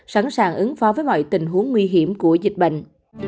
sẵn sàng ứng phó với mọi tình huống nguy hiểm của dịch bệnh